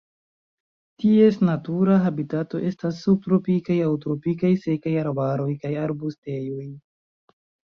Ties natura habitato estas subtropikaj aŭ tropikaj sekaj arbaroj kaj arbustejoj.